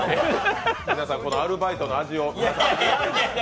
皆さん、このアルバイトの味を。